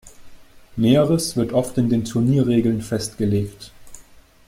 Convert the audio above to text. Näheres wird oft in den Turnierregeln festgelegt.